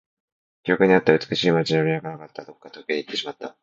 記録にあった美しい街並みはなかった。どこか遠くに行ってしまった。